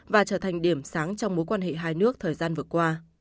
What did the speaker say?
và trở thành điểm sáng trong mối quan hệ hai nước thời gian vừa qua